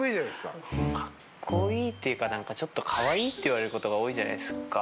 かっこいいっていうかなんかちょっとかわいいって言われる事が多いじゃないですか。